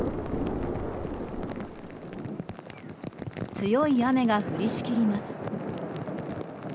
強い雨が降りしきります。